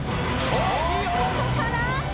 ここから。